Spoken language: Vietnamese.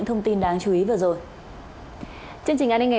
tại coi chung phim á